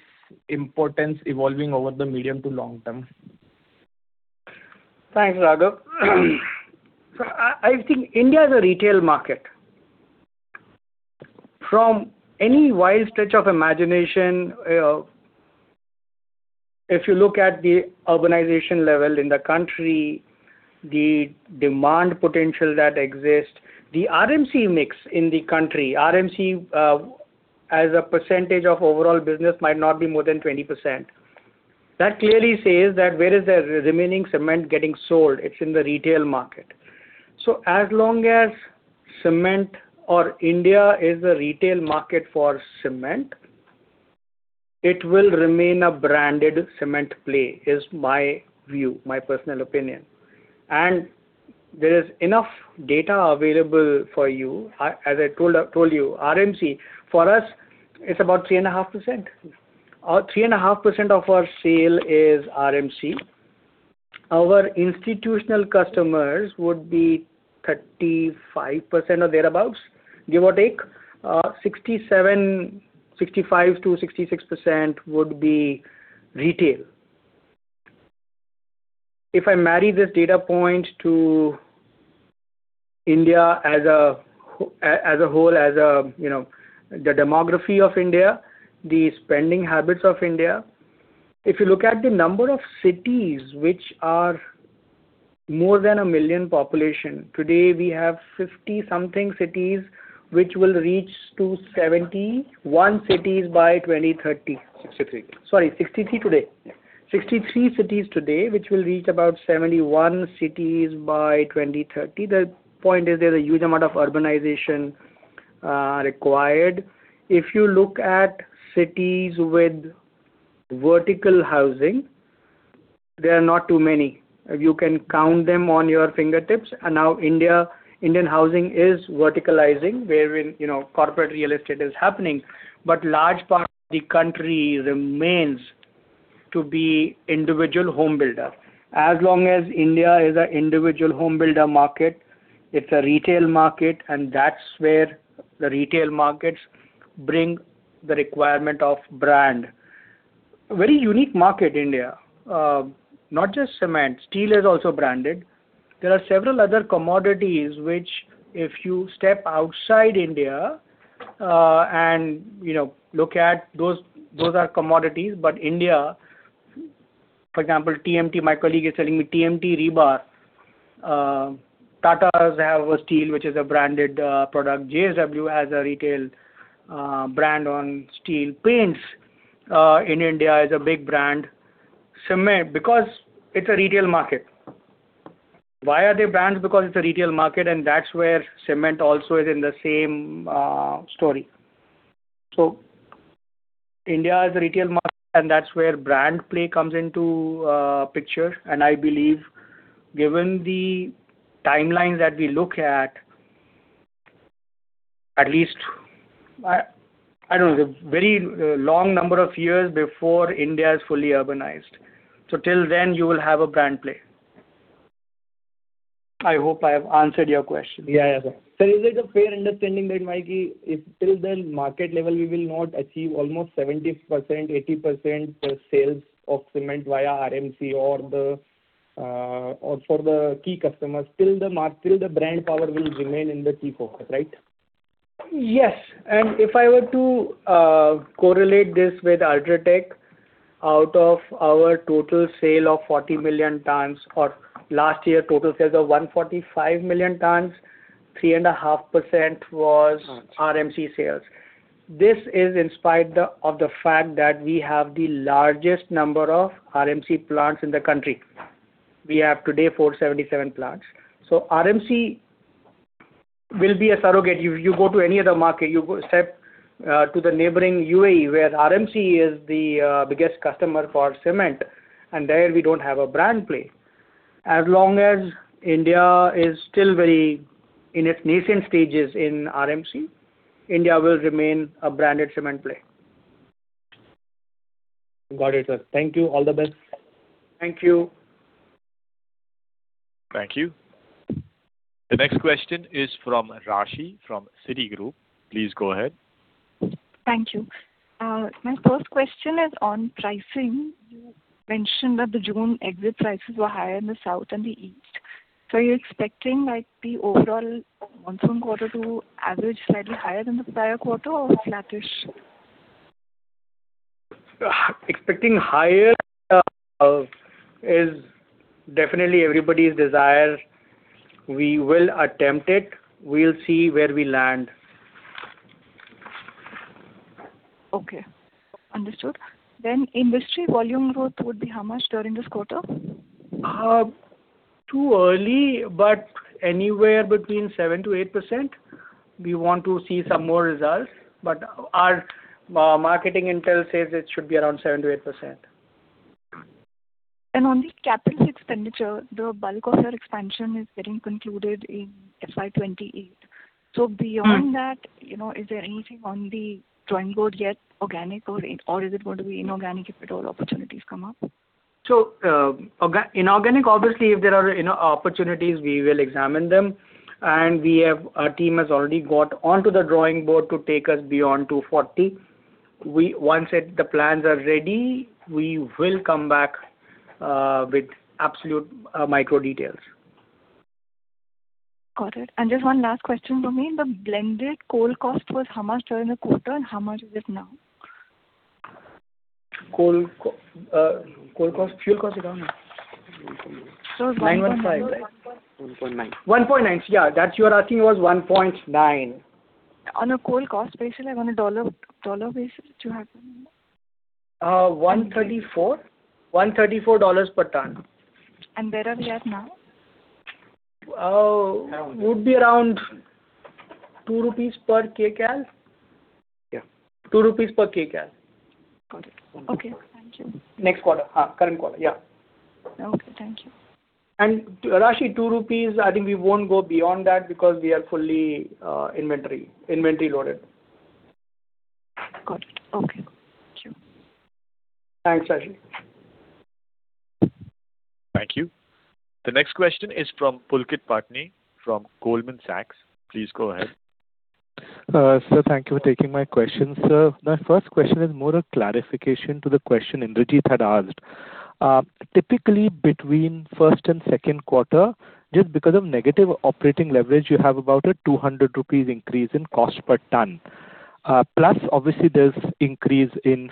importance evolving over the medium to long term? Thanks, Raghav. I think India is a retail market. From any wild stretch of imagination, if you look at the urbanization level in the country, the demand potential that exists, the RMC mix in the country. RMC as a percentage of overall business might not be more than 20%. That clearly says that where is the remaining cement getting sold? It's in the retail market. As long as cement or India is a retail market for cement, it will remain a branded cement play is my view, my personal opinion. There is enough data available for you. As I told you, RMC, for us, it's about 3.5%. 3.5% of our sale is RMC. Our institutional customers would be 35% or thereabouts, give or take. 65%-66% would be retail. If I marry this data point to India as a whole, as the demography of India, the spending habits of India. If you look at the number of cities which are more than 1 million population, today, we have 50-something cities which will reach to 71 cities by 2030. 63. Sorry, 63 today. 63 cities today, which will reach about 71 cities by 2030. The point is there's a huge amount of urbanization required. If you look at cities with vertical housing, they are not too many. You can count them on your fingertips. Now Indian housing is verticalizing wherein corporate real estate is happening, but large part of the country remains to be individual home builder. As long as India is an individual home builder market, it's a retail market, and that's where the retail markets bring the requirement of brand. Very unique market, India. Not just cement. Steel is also branded. There are several other commodities which if you step outside India, look at those are commodities. India, for example, TMT, my colleague is telling me TMT rebar. Tata have a steel which is a branded product. JSW has a retail brand on steel. Paints in India is a big brand. Cement, because it's a retail market. Why are they brands? Because it's a retail market, and that's where cement also is in the same story. India is a retail market, and that's where brand play comes into picture, and I believe given the timelines that we look at least, I don't know, a very long number of years before India is fully urbanized. Till then you will have a brand play. I hope I have answered your question. Sir, is it a fair understanding that if till then market level we will not achieve almost 70%-80% sales of cement via RMC or for the key customers. Till the brand power will remain in the key focus, right? Yes. If I were to correlate this with UltraTech, out of our total sale of 40 million tons or last year total sales of 145 million tons, 3.5% was- Tons. RMC sales. This is in spite of the fact that we have the largest number of RMC plants in the country. We have today 477 plants. RMC will be a surrogate. You go to any other market, you go step to the neighboring UAE where RMC is the biggest customer for cement, and there we don't have a brand play. As long as India is still very in its nascent stages in RMC, India will remain a branded cement play. Got it, sir. Thank you. All the best. Thank you. Thank you. The next question is from Raashi from Citigroup. Please go ahead. Thank you. My first question is on pricing. You mentioned that the June exit prices were higher in the south and the east. Are you expecting the overall monsoon quarter to average slightly higher than the prior quarter or flattish? Expecting higher is definitely everybody's desire. We will attempt it. We'll see where we land. Okay. Understood. Industry volume growth would be how much during this quarter? Too early, but anywhere between 7%-8%. We want to see some more results, but our marketing intel says it should be around 7%-8%. On the capital expenditure, the bulk of your expansion is getting concluded in FY 2028. Beyond that, is there anything on the drawing board yet organic, or is it going to be inorganic if at all opportunities come up? Inorganic, obviously, if there are opportunities, we will examine them. Our team has already got onto the drawing board to take us beyond 240. Once the plans are ready, we will come back with absolute micro details. Got it. Just one last question from me. The blended coal cost was how much during the quarter and how much is it now? Coal cost, fuel cost it was now? It was 1.9. 1.9. Yeah. That you are asking was 1.9. On a coal cost basis, like on a dollar basis, do you have it? $134 per ton. Where are we at now? Would be around 2 rupees per kCal? Yeah. 2 rupees per kCal. Got it. Okay. Thank you. Next quarter. Current quarter, yeah. Okay, thank you. Raashi, 2 rupees, I think we won't go beyond that because we are fully inventory loaded. Got it. Okay. Thank you. Thanks, Raashi. Thank you. The next question is from Pulkit Patni from Goldman Sachs. Please go ahead. Sir, thank you for taking my question. Sir, my first question is more a clarification to the question Indrajit had asked. Typically, between first and second quarter, just because of negative operating leverage, you have about an 200 rupees increase in cost per ton. Plus obviously there's increase in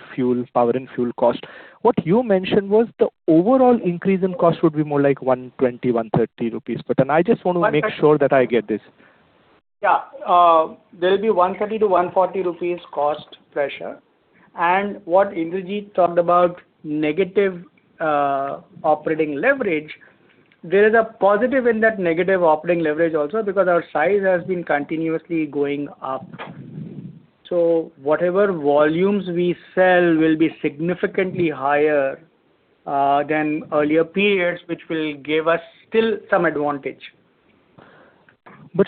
power and fuel cost. What you mentioned was the overall increase in cost would be more like 120 rupees, 130 rupees, but then I just want to make sure that I get this. Yeah. There'll be 130-140 rupees cost pressure. What Indrajit talked about negative operating leverage, there is a positive in that negative operating leverage also because our size has been continuously going up. Whatever volumes we sell will be significantly higher than earlier periods, which will give us still some advantage.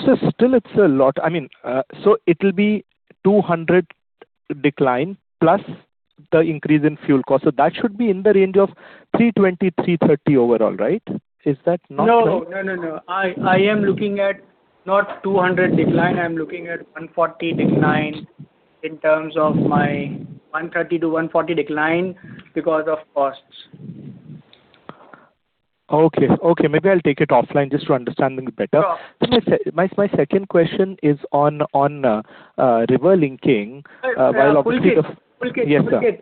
Sir, still it's a lot. It'll be 200 decline plus the increase in fuel cost. That should be in the range of 320, 330 overall, right? Is that not right? No. I am looking at not 200 decline, I'm looking at 140 decline in terms of my 130-140 decline because of costs. Okay. Maybe I'll take it offline just to understand things better. Sure. My second question is on river linking by logistic of- Pulkit. Yes, sir. Pulkit.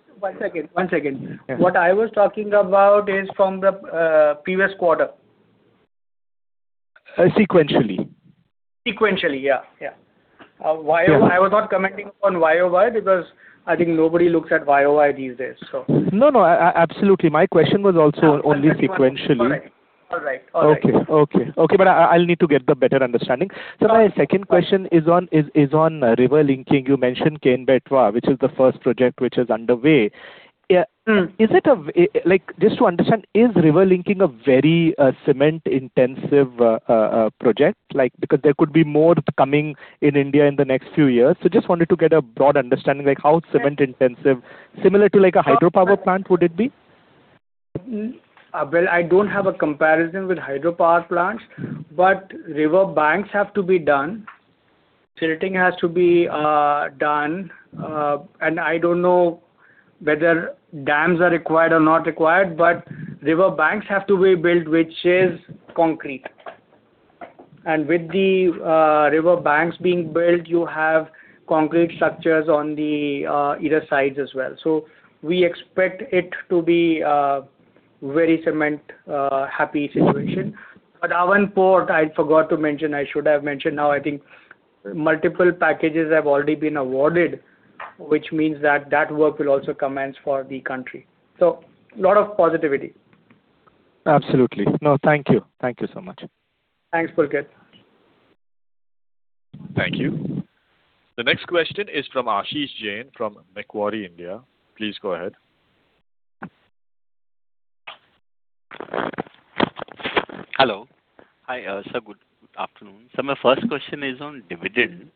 One second. Yeah. What I was talking about is from the previous quarter. Sequentially. Sequentially. Yeah. Yeah. I was not commenting on YoY because I think nobody looks at YoY these days. No. Absolutely. My question was also only sequentially. All right. Okay. I'll need to get the better understanding. Sure. My second question is on river linking. You mentioned Ken Betwa, which is the first project which is underway. Just to understand, is river linking a very cement-intensive project? There could be more coming in India in the next few years. Just wanted to get a broad understanding, like how cement-intensive. Similar to a hydropower plant, would it be? Well, I don't have a comparison with hydropower plants, but river banks have to be done. Silting has to be done. I don't know whether dams are required or not required, but river banks have to be built, which is concrete. With the river banks being built, you have concrete structures on the either sides as well. We expect it to be a very cement happy situation. Our port, I forgot to mention, I should have mentioned now I think, multiple packages have already been awarded, which means that that work will also commence for the country. A lot of positivity. Absolutely. No, thank you. Thank you so much. Thanks, Pulkit. Thank you. The next question is from Ashish Jain from Macquarie India. Please go ahead. Hello. Hi. Good afternoon. My first question is on dividend.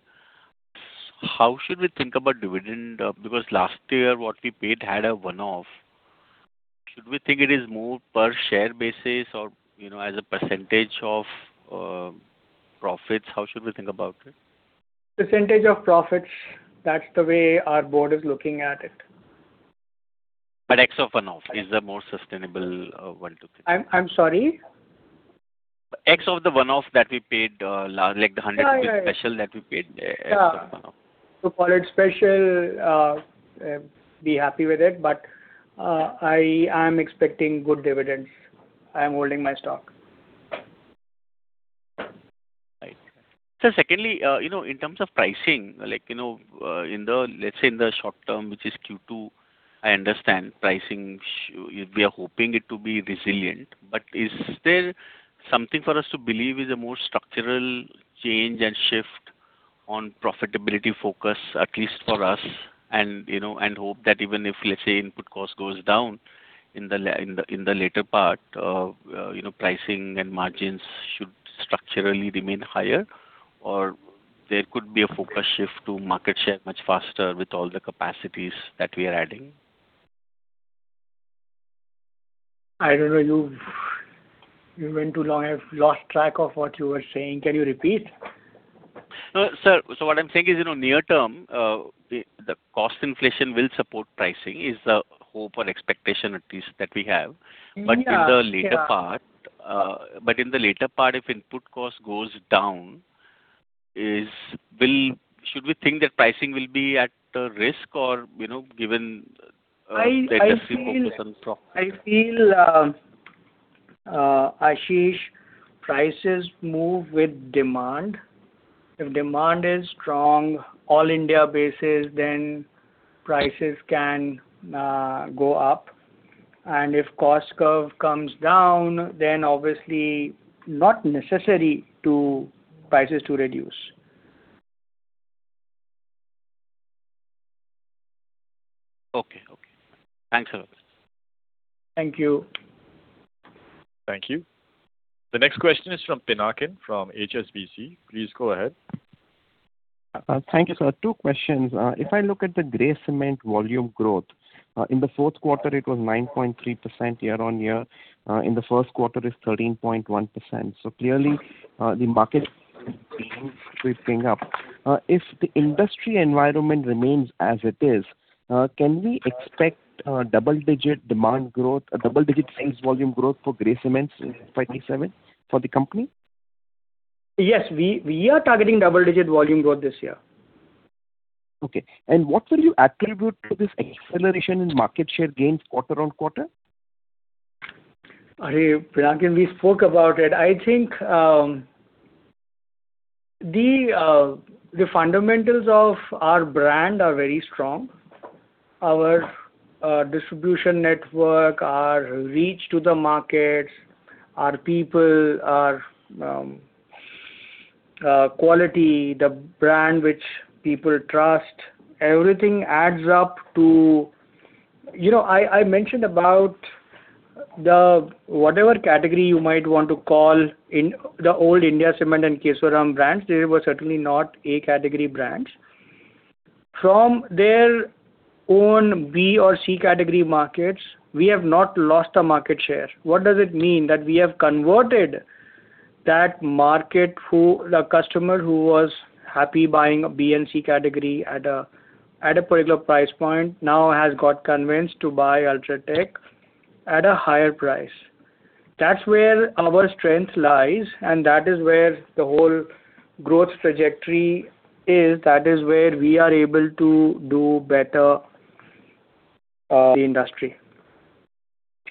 How should we think about dividend? Because last year what we paid had a one-off. Should we think it is more per share basis or as a percentage of profits? How should we think about it? Percentage of profits. That's the way our board is looking at it. X of one-off is a more sustainable one to think. I'm sorry. X of the one-off that we paid, like the 100. Yeah. Special that we paid as one-off. Yeah. You call it special, be happy with it, I am expecting good dividends. I am holding my stock. Right. Sir, secondly, in terms of pricing. Let's say in the short term, which is Q2, I understand pricing, we are hoping it to be resilient, is there something for us to believe is a more structural change and shift on profitability focus, at least for us, and hope that even if, let's say, input cost goes down in the later part, pricing and margins should structurally remain higher? There could be a focus shift to market share much faster with all the capacities that we are adding? I don't know. You went too long. I've lost track of what you were saying. Can you repeat? No, sir. What I'm saying is, near term, the cost inflation will support pricing is the hope or expectation at least that we have. Yeah. In the later part if input cost goes down, should we think that pricing will be at risk or given the industry focus on profit? I feel, Ashish, prices move with demand. If demand is strong all India basis, prices can go up. If cost curve comes down, then obviously not necessary to prices to reduce. Okay. Thanks a lot. Thank you. Thank you. The next question is from Pinakin from HSBC. Please go ahead. Thank you, sir. Two questions. If I look at the gray cement volume growth, in the fourth quarter it was 9.3% year-on-year. In the first quarter it's 13.1%. Clearly, the market sweeping up. If the industry environment remains as it is, can we expect double-digit sales volume growth for gray cements in FY 2027 for the company? Yes, we are targeting double-digit volume growth this year. Okay. What will you attribute to this acceleration in market share gains quarter-on-quarter? Pinakin, we spoke about it. I think the fundamentals of our brand are very strong. Our distribution network, our reach to the markets, our people, our quality, the brand which people trust, everything adds up to I mentioned about whatever category you might want to call the old India Cements and Kesoram brands. They were certainly not A category brands. From their own B or C category markets, we have not lost a market share. What does it mean? That we have converted that market, the customer who was happy buying a B and C category at a particular price point now has got convinced to buy UltraTech at a higher price. That is where our strength lies, and that is where the whole growth trajectory is. That is where we are able to do better the industry.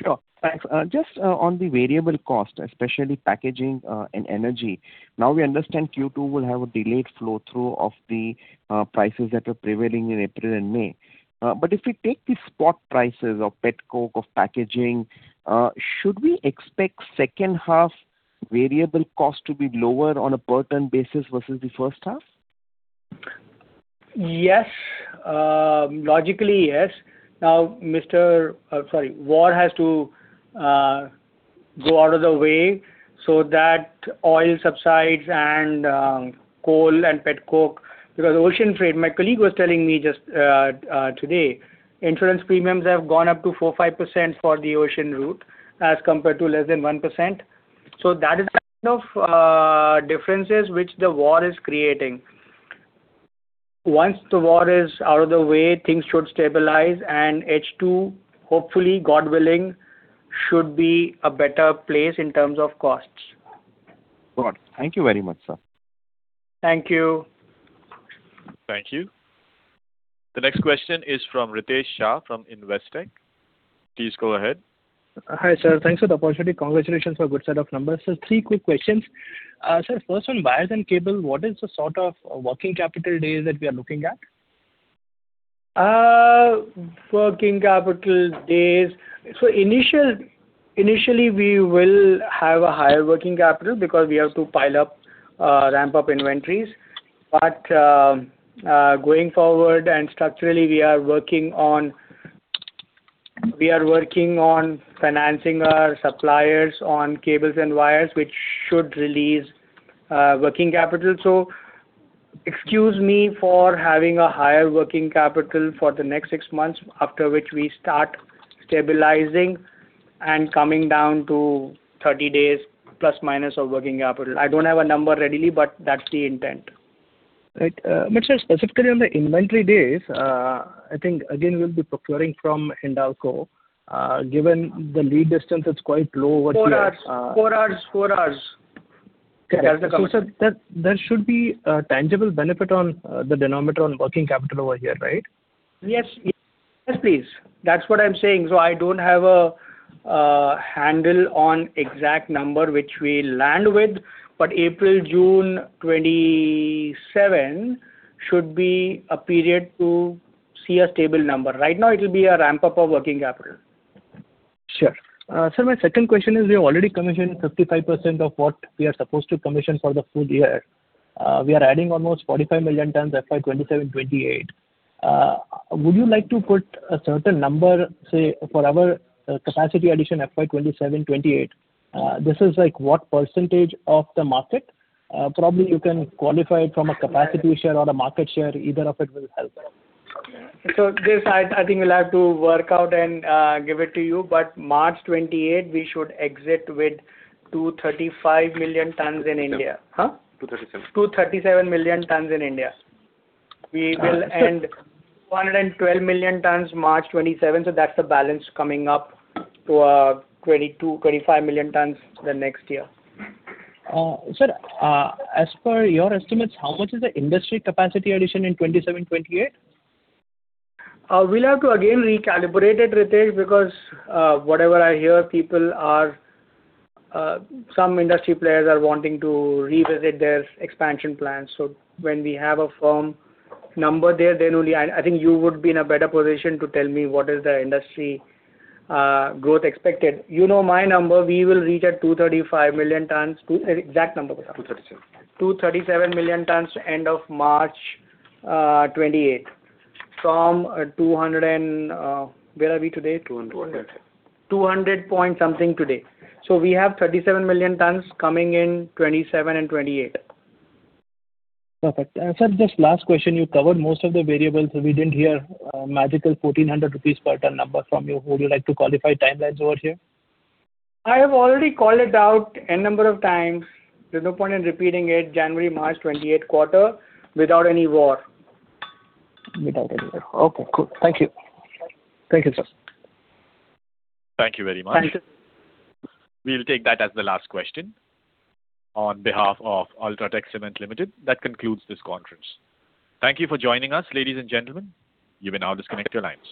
Sure. Thanks. Just on the variable cost, especially packaging and energy. Now we understand Q2 will have a delayed flow through of the prices that are prevailing in April and May. If we take the spot prices of pet coke, of packaging, should we expect second half variable cost to be lower on a per ton basis versus the first half? Yes. Logically, yes. Now, war has to go out of the way so that oil subsides and coal and pet coke, because ocean freight, my colleague was telling me just today, insurance premiums have gone up to 4%-5% for the ocean route as compared to less than 1%. That is the kind of differences which the war is creating. Once the war is out of the way, things should stabilize, and H2, hopefully, God willing, should be a better place in terms of costs. Got it. Thank you very much, sir. Thank you. Thank you. The next question is from Ritesh Shah from Investec. Please go ahead. Hi, sir. Thanks for the opportunity. Congratulations for good set of numbers. Three quick questions. Sir, first on Cables and Wires, what is the sort of working capital days that we are looking at? Working capital days. Initially we will have a higher working capital because we have to pile up, ramp up inventories. But going forward and structurally, we are working on financing our suppliers on Cables and Wires, which should release working capital. Excuse me for having a higher working capital for the next six months, after which we start stabilizing and coming down to 30 days plus minus of working capital. I don't have a number readily, but that's the intent. Right. Sir, specifically on the inventory days, I think again, we'll be procuring from Hindalco. Given the lead distance, it's quite low over here. Four hours. Okay. Sir, there should be a tangible benefit on the denominator on working capital over here, right? Yes, please. That's what I'm saying. I don't have a handle on exact number which we land with, April, June 2027 should be a period to see a stable number. Right now it will be a ramp-up of working capital. Sure. Sir, my second question is we have already commissioned 55% of what we are supposed to commission for the full year. We are adding almost 45 million tons FY 2027, 2028. Would you like to put a certain number, say, for our capacity addition FY 2027, 2028? This is like what precentage of the market? Probably you can qualify it from a capacity share or a market share. Either of it will help. This, I think we'll have to work out and give it to you, but March 2028, we should exit with 235 million tons in India. 237. Huh? 237. 237 million tons in India. We will end 212 million tons March 2027. That's the balance coming up to 22, 25 million tons the next year. Sir, as per your estimates, how much is the industry capacity addition in 2027, 2028? We'll have to again recalibrate it, Ritesh, because whatever I hear, some industry players are wanting to revisit their expansion plans. When we have a firm number there, I think you would be in a better position to tell me what is the industry growth expected. You know my number. We will reach at 235 million tons. Exact number. 237. 237 million tons end of March 2028 from 200, where are we today? 200. 200 point something today. We have 37 million tons coming in 2027 and 2028. Perfect. Sir, just last question. You covered most of the variables, we didn't hear magical 1,400 rupees per ton number from you. Would you like to qualify timelines over here? I have already called it out N number of times. There's no point in repeating it. January, March 28 quarter without any war. Without any war. Okay, cool. Thank you. Thank you, sir. Thank you very much. Thank you. We'll take that as the last question. On behalf of UltraTech Cement Limited, that concludes this conference. Thank you for joining us, ladies and gentlemen. You may now disconnect your lines.